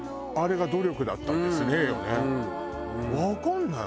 わかんない。